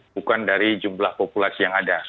bukan dari jumlah populasi yang ada